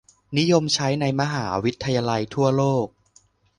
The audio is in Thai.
นิยมใช้ในมหาวิทยาลัยทั่วโลก